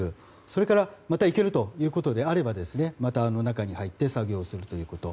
それからまた行けるということであれば、また中に入って作業をするということ。